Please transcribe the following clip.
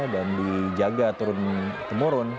dan dijaga turun temurun